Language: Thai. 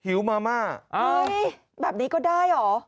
มาม่าเฮ้ยแบบนี้ก็ได้เหรอ